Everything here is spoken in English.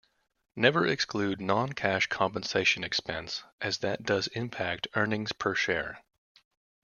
Never exclude non-cash compensation expense as that does impact earnings per share.